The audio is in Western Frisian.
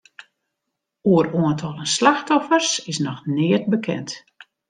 Oer oantallen slachtoffers is noch neat bekend.